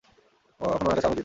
এখন উনার কাছে আমার যেতে হবে?